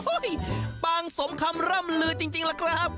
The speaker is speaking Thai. ปางสมคำร่ำลือจริงล่ะครับ